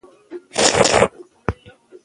هغه زرکال پخوا د سانسکریت له پاره اوصول وضع کړل.